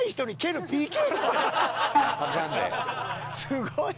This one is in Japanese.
すごい。